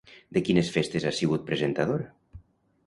De quines festes ha sigut presentadora?